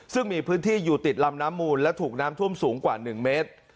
ซึ่งมีพื้นที่อยู่ติดลำน้ำมูลและถูกน้ำท่วมสูงกว่า๑เมตร